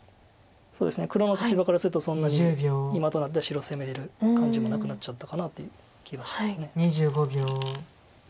黒の立場からするとそんなに今となっては白攻めれる感じもなくなっちゃったかなという気はします。